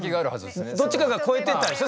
どっちかが越えてったんでしょ？